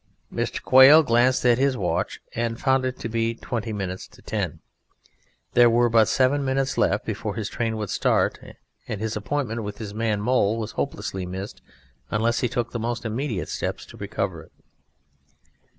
Mr. Quail glanced at his watch, and found it to be twenty minutes to ten. There were but seven minutes left before his train would start, and his appointment with his man, Mole, was hopelessly missed unless he took the most immediate steps to recover it.